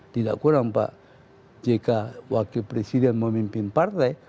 tidak kurang pak jk wakil presiden memimpin partai